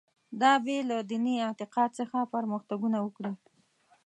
دا بې له دیني اعتقاد څخه پرمختګونه وکړي.